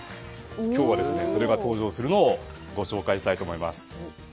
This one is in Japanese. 今日がそれが登場するのをご紹介したいと思います。